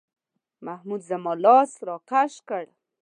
محمود زما لاس راکش کړ.